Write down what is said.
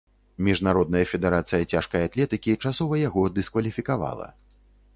Міжнародная федэрацыя цяжкай атлетыкі часова яго дыскваліфікавала.